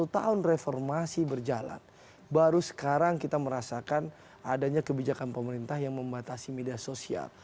sepuluh tahun reformasi berjalan baru sekarang kita merasakan adanya kebijakan pemerintah yang membatasi media sosial